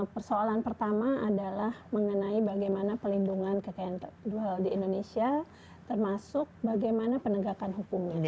persoalan pertama adalah mengenai bagaimana pelindungan kekayaan intelektual di indonesia termasuk bagaimana penegakan hukumnya